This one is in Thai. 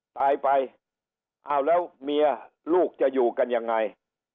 ตายไปอ้าวแล้วเมียลูกจะอยู่กันยังไง